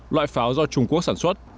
loại pháo do trung quốc sản xuất